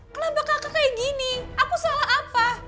kenapa kakak kayak gini aku salah apa